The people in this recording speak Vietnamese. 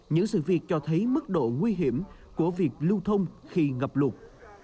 những sự việc cho thấy mức độ nguy hiểm của việc lưu thông khi ngập lụt